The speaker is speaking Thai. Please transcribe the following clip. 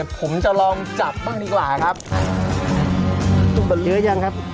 แล้วทางขาวนี้ก็ราคาตกเปล่าครับ